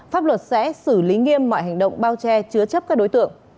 pháp luật sẽ xử lý nghiêm mọi hành động bao che chứa chấp các đối tượng